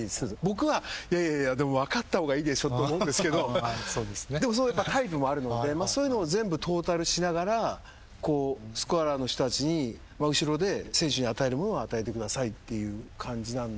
僕はいやいやでも分かった方がいいでしょって思うんですけどでもタイプもあるのでそういうのを全部トータルしながらスコアラーの人たちに後ろで選手に与えるものは与えてくださいって感じなんで。